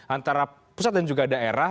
antara pusat dan juga daerah